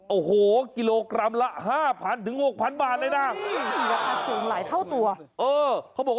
โอ้โหกิโลกรัมละ๕๐๐๐ถึง๖๐๐๐บาทเลยนะ